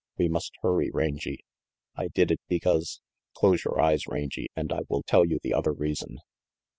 We must hurry, Rangy I did it because close your eyes. Rangy, and I will tell you the other reason."